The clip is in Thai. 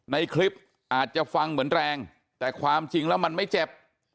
ในคลิปอาจจะฟังเหมือนแรงแต่ความจริงแล้วมันไม่เจ็บ